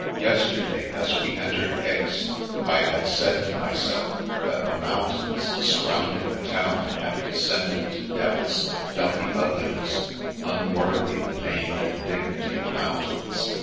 Yesterday, as we entered Aix, I had said to m)rself that the mountains surrounding the town had descended to depths of dumpy ugliness unworthy the name and dignity of mountains.